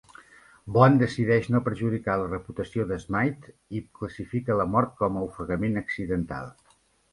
Bond decideix no perjudicar la reputació de Smythe i classifica la mort com a ofegament accidental.